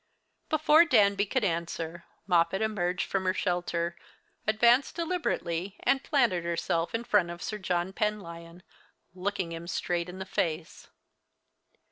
Before Danby could answer, Moppet emerged from her shelter, advanced deliberately, and planted herself in front of Sir John Penlyon, looking him straight in the face.